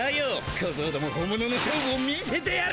こぞうども本物の勝負を見せてやる！